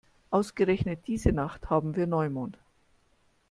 Ausgerechnet diese Nacht haben wir Neumond.